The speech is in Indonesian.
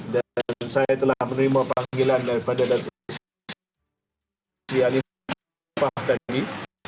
dan saya telah menerima panggilan daripada dato' sri aniefah tadi